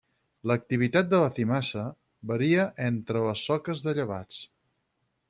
L'activitat de la zimasa varia entre les soques de llevats.